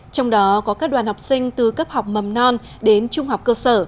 trong đó có các đoàn học sinh từ cấp học mầm non đến trung học cơ sở